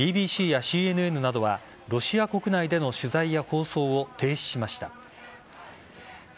ＢＢＣやＣＮＮなどはロシア国内での取材や放送を停止しました。